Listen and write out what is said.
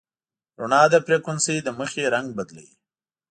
رڼا د فریکونسۍ له مخې رنګ بدلوي.